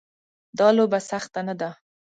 دا لوبه سخته نه ده.